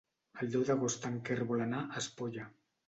El deu d'agost en Quer vol anar a Espolla.